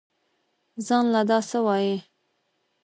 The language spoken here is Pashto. زان له دا سه وايې.